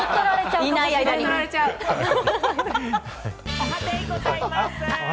おはデイございます。